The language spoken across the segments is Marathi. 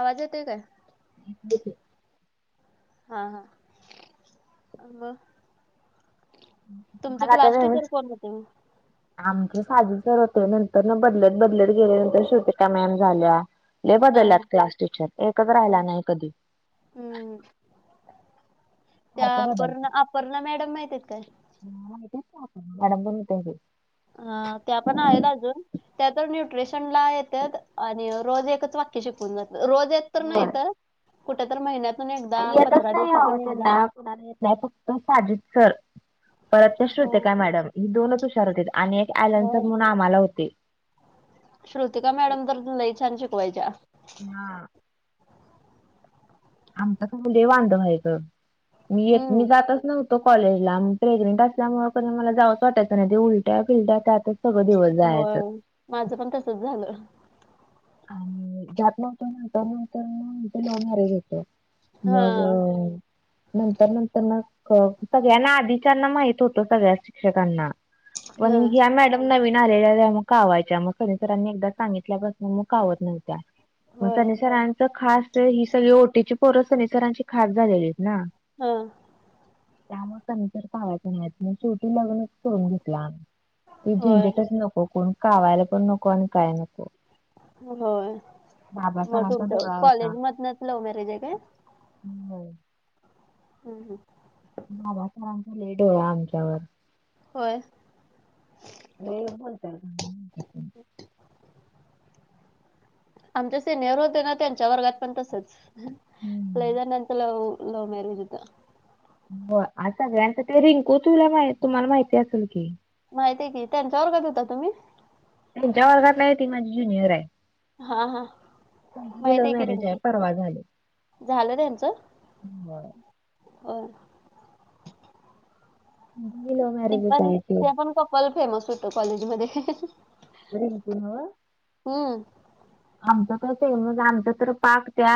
आवाज येतोय काय? येतोय. हा हा मग तुमचे आता क्लास टीचर व्यवस्थित कोण होते? आमचे साधे सर होते नंतरन बदलत बदलत गेले नंतर श्रुतिका मॅम झाल्या. लई हा बदलल्यात क्लास टीचर एकच हा राहिल्या नाही कधी हम्म, त्या सारखं अपर्ण अपर्णा मॅडम येत्यात काय? ह माहितीये ना आपण मॅडम बनवत आहे हा त्या पण आहेत अजून त्या तर न्यूट्रेशन ला येत्यात आणी रोज एकच वाक्य शिकवून जात रोज एक तर नाही होय तर कुठं तर महिन्यात येतच नाही अव त्यांना कुणाला येत नाही फक्त साजित सर परत त्या हो श्रुतिका मॅडम दोनच हुशार होतीत आणि एक अँलन हो सर म्हणून आम्हाला होते श्रृतिका मॅडम तर लय छान शिकवायच्या हा आमच अस लई वांद व्हायचं मी एक मी हम्म जातच नव्ह तो कॉलेजला प्रेग्नेंट असल्यामुळ कणी मला जावचं वाटायचं नाही ते उलट्या फिलट्या त्यातचं होय माझं पण तसच झालं आणि जात नवतो नंतर नंतर मग ते लव मॅरेज होेत हा मग नंतर नंतर न क सगळ्यांना आधीच्यांना माहित होतं सगळ्या शिक्षकांना पण हा मग ह्या मॅडम नवीन आलेल्या त्यामुळं कावायच्या मग सनी सरांनी एकदा सांगितल्या वर म कावत नाहीत मग होय सनीसरांच खास ही सगळी ओटीची पोर सनी सरांची खास झालेलीत ना हा त्यामुळं कणच्यात पावायच नाहीत मग शेवटी लग्न करून घेतला ते होय झंझेटच नको कोण कावायला पण नको आणि काय नको होय बाबा म सरांचा तुमच्या डोळा कॉलेज मधनंच लव मॅरेज हाय काय हू होय हू हू बाबा साहेबाचा लई डोळा आमच्यावर होय लई बोलत्या म्हणून म्हणत्यात त्यांनी उठ आमचे सेनियर होते ना त्यांच्या वर्गात पण तसंच हम्म. लई जणांच लव लव मॅरेज होत होय आ सगळ्यांच ते रिंकू तुला माहित तुम्हाला माहिती असल कि माहितीये की त्यांच्या वर्गात होता तुम्ही त्यांच्या वर्गात नाही ती माझी ज्युनियर हाय हा हा माहित हाय लव्ह की मॅरेज आहे रिंकू परवा झाले झालं त्यांच त्यांचं होय म्हणून मी लव मॅरेज ती पण ते पण कपल फेमस होत कॉलेज मध्ये रिंकू नवं हू आमचं कसं आहे म आमचं तर पाक त्या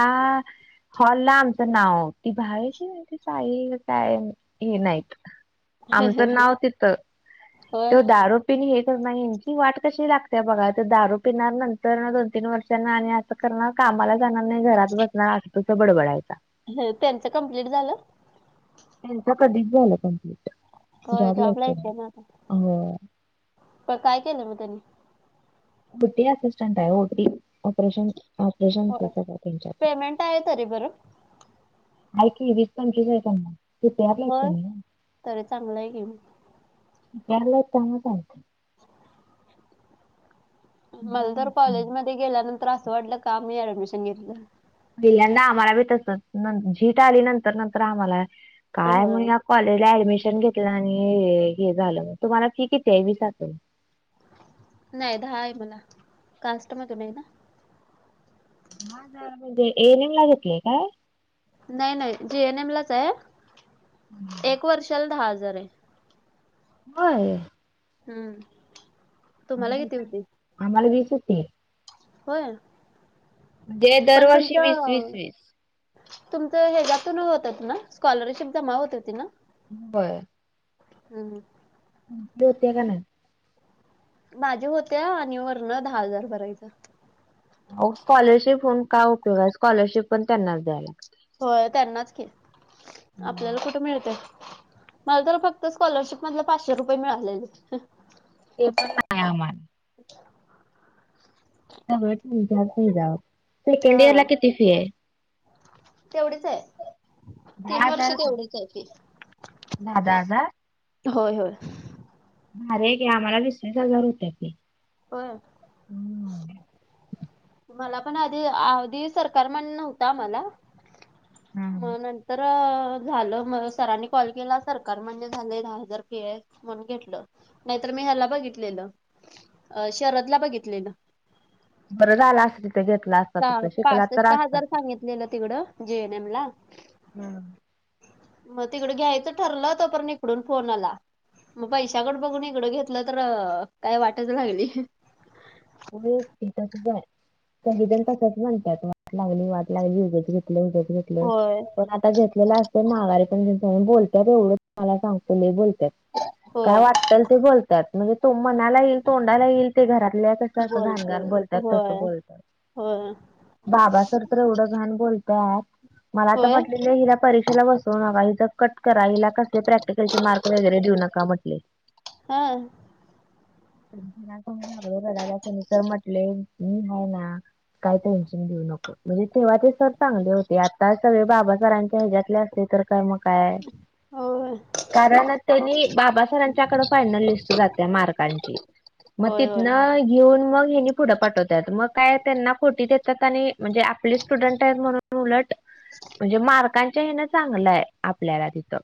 हॉलला आमचं नाव ती बाहेरची म्हणतील बाई हाय काय काय हाय हे नाहीत आमचं नाव तिथं होय त्यो दारू हे तर नाही यांची वाट कशी लागत्या बघा आता दारू पिणार नंतरन दोन तीन वर्षांन आणि असं करणार कामाला जाणार नाही घरात बसणार असं तसं बडबडायचा ह त्यांचं कमप्लीट झालं त्यांच कधीच झालं कंप्लीट होय जॉब जॉबला लागत येते ना आता. हो प काय केलं मग त्यांनी.? बुटी असिस्टंट आहे ओटी. ऑपरेशन, ऑपरेशन होय होतात त्याच्यात. पेमेंट आहे तरी बरं. ऐक की वीस फोन केले आहे त्यांना. ते परला य होय तरी चांगलं आहे की मग. परला यत [unintelligible] [inaudible] मल तर चालतं कॉलेजमध्ये गेल्यानंतर असं वाटलं, का मी ऍडमिशन घेतलं. पहिल्यांदा आम्हाला बी तसंच,, झीट आली नंतर नंतर आम्हाला, काय म्हणुन होय. ह्या कॉलेजला ऍडमिशन घेतलं आणि हे झालं,, तुम्हाला फी किती आहे विस आसल. नाही दहा हाय मला, कास्ट मधुन आहे ना. हा जरा म्हणजे ए एन एम ला घेतलय काय. नाही नाही जीएनएम लाच हाय,, हम्म. एक वर्षाला दहा हजार हाय. होय. हम्म. तुम्हाला किती होती आम्हाला वीस ये फी. होय,, म्हणजे पण दरवर्षी वीस वीस तुमचं वीस. तुमचं हज्यातून होतत ना, स्कॉलरशिप जमा होत होती ना. व्हय. हम्म हम्म. होत्या का नाई. माजी होत्या आणि वरणन दहा हजार भरायचं. अओ स्कॉलरशिप होऊन काय उपयोग आहे, स्कॉलरशिप पण त्यांनाच द्याय लागत्या. हो त्यांनाच कि, लागते. मग आपल्याला कुठं मिळतय. मल तर फक्त स्कॉलरशिप मधल पाचशे रुपये मिळालेलं. ते पण नाही आमा क [inaudible] सगळं त्यांच्याच हज्यावर,, सकेंड इयर ला हा किती फि हाय? तेवढीच आय. धा हजार,, धा धा हजार. होय-होय. भारीयेकि आम्हाला वीस वीस हजार होत्या की. होय. हम्म. मला पण आधी आधी सरकार मान्य नव्हतं आमाला. हम्म. मग नंतर अ झालं म सरांनी कॉल केला सरकार मान्य झालय दहा हजार फी आए म्हणून घेतलं. नाहीतर मी ह्याला बघितलेलं. अ शरदला बघितलेलं. बरं झालं असतं. ते घेतलं असतं हां पा-पासष्ट हजार सांगितलेलं तिकडं, जिएनएम ला. हां. म तिकडं घ्यायचं ठरलं तोपरन इकडून फोन आला. म पैशाकडं बघून इकडं घेतलं तर काय वाटचं लागली. [unintelligible] सगळीजण तसंच म्हणत्यात, वाट लागली वाट लागली उगच घेतलं ऊगच घेत होय पण आता घेतलेलं असत माघारी पण बोलतत एवढ सांगत बोलतत. काय होय. वाटतल ते बोलतात. म्हणजे त मनाला येईल तोंडाला येईल ते घरातल्या जस बोलते घाणगण बोलतात होय तसं बोलतात. होय बाबा तर एवढं घण बोलतयत. मला आता होय. म्हटलं हिला परीक्षेला बसवू नका हिचं कट करा हिला कसले प्रॅक्टिकलचे मार्क वगैरे देऊ नका म्हटले. हम.. लागलो रडायला कनी तर सर म्हटले मी आहे ना, काही टेन्शन घेऊ नको, म्हणजे तेेव्हा ते सर चांगले होते आता सगळे बाबा सरांच्या ह्याच्या्यातले असते तर काय मग काय? होय कारण त्यांनी बाबा सहेरांच्याकडे फायनल लिस्ट जाते मार्कांची. मग होय होय तिथनं घेऊन मग हेनी पुढं पाठवतात मग काय त्यांना खोटी, आपले स्टुडन्ट आहेत म्हणून उलट मार्क, [unintelligible] चांगलंय आपल्याला तिथं,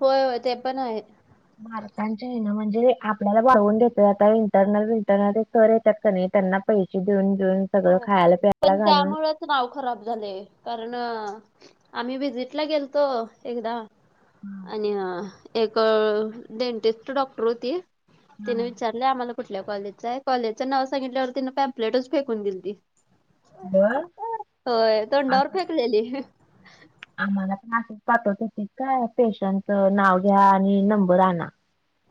होय, होय ते पण आहे. मार्कांचे आहे ना म्हणजे आपल्याला वाढऊन देतय आता इंटरनल, विंटरनल सर येतात क नाही त्यांना पैसे देऊन घेऊन सगळं होय खायला प्यायला पण घालून. त्यामुळेच नाव खराब झालय कारण आम्ही विजिट ला गेलतो एकदा, आणि अ एक डेंटिस्ट डॉक्टर होती. तिने विचारलंय आम्हाला कुठल्या कॉलेजच आहे कॉलेजचं नाव सांगितल्यावर तिनं पॅम्पलेटच फेकून दिलती. बर होय तोंडावर असं फेकलेली. आम्हाला क्लासेस पाठवत होते काय पेशंटच नाव घ्या आणि नंबर आणा.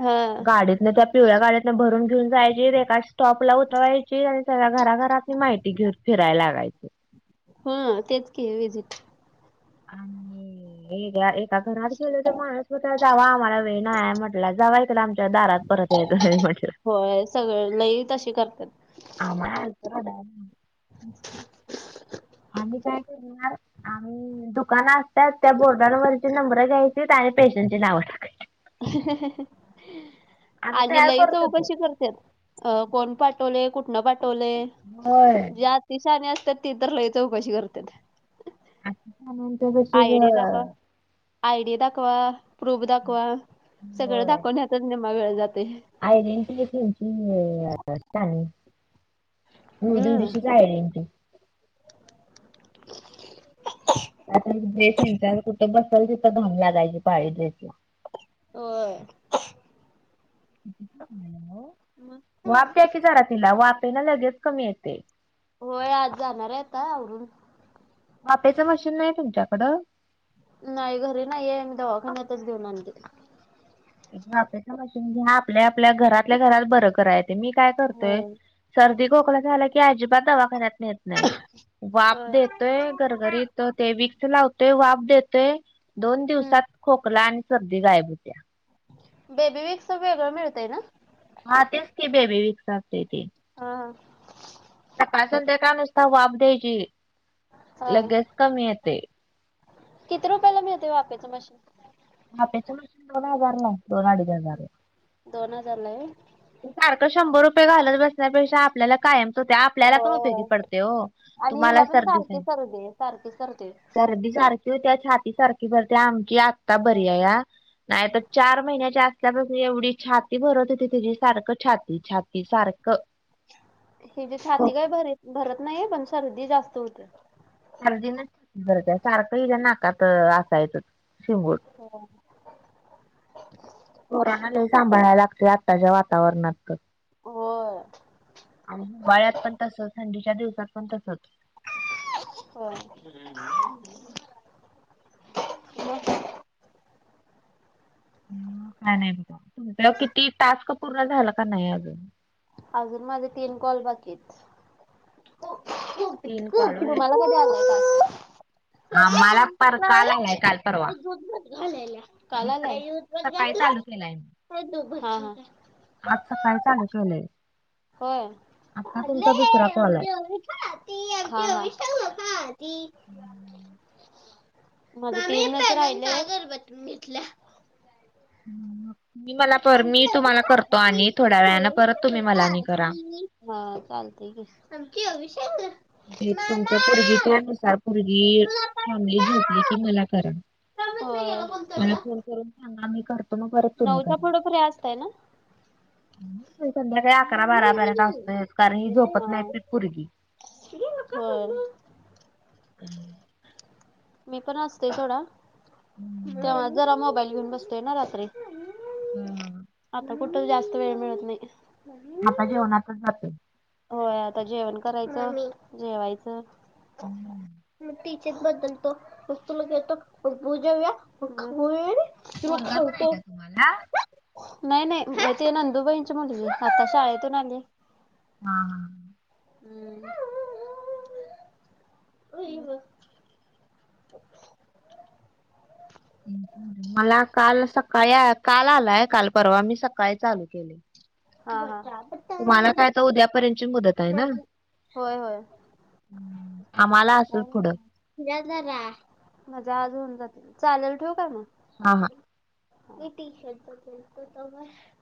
हा गाडीतनं त्या पिवळ्या गाडीतनं भरून घेऊन जायची. एका स्टॉप ला उतरवायची. आणि सगळ्या घराघरात माहिती, ते घर फिरायला लागायच. हा तेच की विजिट. आणि हे घ्या रे, आता घरात गेल तर मानुस होता जावा आम्हाला वेळ म्हटला. जाव एककदा आमच्या दारात परत यायचं म्हटल. होय सगळी लई तशी करत्यात. [unintelligible] [unintelligible] आम्ही काय करणार आम्ही. दुकान असतात त्या बोर्डावरची नंबर घ्यायची आणि पेशंटची नाव टाकायचीत. आम्ही आणि तयार लई करत होतो. चौकशी करते तेच कोण पाठवल, कुठनं पाठवलय. होय.. आती शानी असतात ती तर लई चौकशी करत्यात. आता कशी ग, आयडी दाखव. आयडी दाखवा, प्रूफ दाखवा, सगळं होय दाखवण्याचाच निम्मा वेळ जातय. [unintelligible] हम्म [unintelligible] आता ड्रेस यांच्यावर कुठे बसल तिथं घाम लागायची पाळी ड्रेसला. हो.. वाफ द्या ना तिला वाफेन लगेच कमी येतय. होय आज जाणार आहे आता आवरून. वापेचं मशीन नाही तुमच्याकडं नाही घरी नाही ये मी दवाखान्यातच देऊन आणते. वाफेच मशीन आपल्या आपल्या घरातल्या घरात बरं करायचं ते मी काय करतोय होय. सर्दी खोकला झाला की अजिबात दवाखान्यात नेत नाही. नाही वाफ देतोय घरघरीत ते विक्स लावतोय वाफ देते. दोन हम्म दिवसात खोकला आणि सर्दी गायब होतीया. बेबी व्हिक्स वेगळं मिळतय ना हा तेच की बेबी व्हिक्स असतय ते हा सकाळ संध्याकाळ नुसता वाफ द्यायची हा लगेच कमी येते. किती रुपयाला मिळते वाफेचं मशीन वाफेच मशीन दोन हजारला दोन अडीच हजारला दोन हजारला होय सारखं शंभर रुपये घालत बसण्यापेक्षा आपल्याला कायमच ते आपल्याला पण होय उपयोगी होय पडते हो आणि तुम्हाला हिला पण सर्दी सारखी झाली सर्दी आहे सारखी सर्दी. सर्दी सारखी होत्या छाती सारखी भरते आमची आता हो बरी हो. आहे या. नाही तर चार महिन्याच्या असल्यापासन एवढी छाती भरत होती तीची सारखं छाती छाती सारखं. हिची छाती काय भर भरत नाहीये पण शर्दी जास्त होते सर्दीने सारखं हिच्या नाकात असायचं शेंबूड हो पोरांना लय सांभाळयला लागते आत्ताच्या वातावरणात तर होर हिवाळ्यात पण तसंच थंडीच्या दिवसात पण तसंच होय नाय नाय किती तास्क पूर्ण झालं का नाही अजून अजून माझे तीन कॉल बाकी येतं तीन कॉल तुम्हाला कधी आला आम्हाला पार काल आलाय काल परवा आलाय? सकाळी चालू केलाय हा हा आज सकाळी चालू केलंय होय आता हा तुमचा दुसरा कॉल आहे. हा माझे तीनच राहिलेत तू मला कर आमची मी तुम्हाला अविशा करतो ती आणि थोड्या आमची वेळाने अविशा परत तुम्ही मला बघा आणि करा. ती हा चालतय की तस ते तुमच्या पोरगी च्या नुसार पोरगी तुला मम्मी झोपली की मला करा. मला फोन होय करून सागा मी करतो मग परत तुम्ही करा. पुढे फ्री असतंय ना संध्याकाळी अकरा बारापर्यंत मम्मी. असतोय कारण ही येते. झोपत हा नाही पोरगी होय ह मी पण असतोय थोडा तेव्हा हम्म जरा मोबाईल घेऊन बसतोय ना रात्री. हम्म आता कुठं जास्त वेळ मिळत नाही. मम्मी, आता मम्मी. जेवणातच जाते. होय आता जेवण करायचं. जेवायचं [inaudible] मग टीचर बदलतो. [unintelligible] नको पोरगा खाऊ पण आहे तो. का तुम्हाला? [inaudible] नाही, नाही. ते नंदुबाईंची मुलगीये, आता शाळेतून आली. हा हा. हम्म [unintelligible] [inaudible] मला काल सकाळी, काल आलाय, काल परवा. मी सकाळी चालू केलय. हा हा, [inaudible] तुम्हाला काय तर उद्यापर्यंतची मुदत आहे ना? होय होय. [inaudible] [inaudible] आम्हाला असेल पुढं. [unintelligible] म्हणजे आज होऊन जातील. चालेल ठेवू का मग? हा हा. [unintelligible]